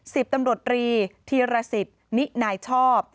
สิบตำรวจรีธีรสิตนินายชอบ